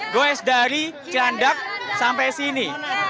goes dari cilandak sampai sini